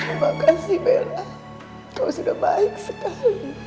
terima kasih bella kau sudah baik sekali